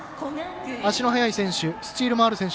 足の速い選手。